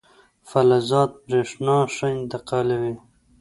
فلزات برېښنا ښه انتقالوي.